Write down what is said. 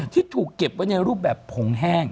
ที่ถูกเก็บไว้ในรูปแบบผงแห้ง